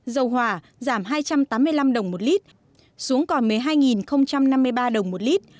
dầu hòa giảm hai trăm tám mươi năm đồng một lit xuống còn một mươi hai năm mươi ba đồng một lit